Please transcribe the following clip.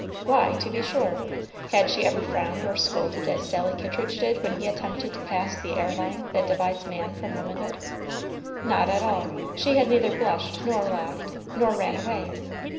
Why, to be sure? Had she ever frowned or scolded as Sally Kittridge did when he attempted to pass the air line that divides man from womanhood? Not at all. She had neither blushed nor laughed, nor ran away.